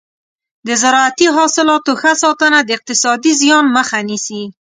د زراعتي حاصلاتو ښه ساتنه د اقتصادي زیان مخه نیسي.